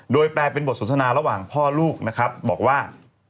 โดยแปลเป็นบทสนทนาระหว่างพ่อลูกนะครับบอกว่า